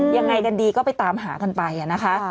ยังไงกันดีก็ไปตามหากันไปนะคะ